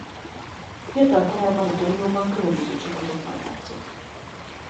Fiatal korában a Torinóban különböző csapatokban játszott.